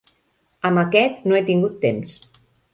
Amb aquest no he tingut temps.